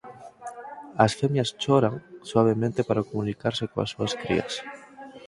As femias "choran" suavemente para comunicarse coas súas crías.